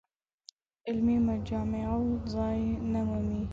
علمي مجامعو ځای نه مومي.